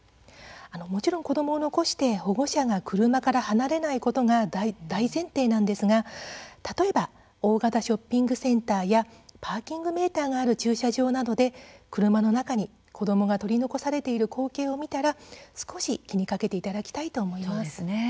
もちろん子どもを残して保護者が車から離れないことが大前提なんですが、例えば大型ショッピングセンターやパーキングメーターがある駐車場などで車の中に子どもが取り残されている光景を見たら少し気にかけていただきたいと思います。